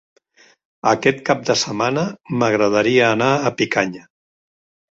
Aquest cap de setmana m'agradaria anar a Picanya.